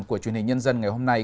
của chuyên hình nhân dân ngày hôm nay